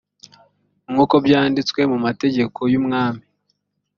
nk uko byanditswe mu mategeko y umwami